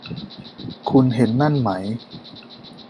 คุณเห็นนั่นไหม